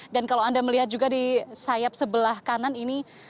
dan kalau anda melihat juga di sayap sebelah kanan ini